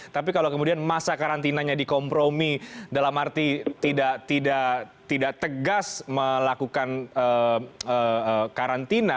tapi kalau kemudian masa karantinanya dikompromi dalam arti tidak tegas melakukan karantina